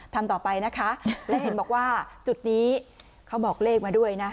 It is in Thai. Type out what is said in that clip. ทำต่อไปนะคะและเห็นบอกว่าจุดนี้เขาบอกเลขมาด้วยนะ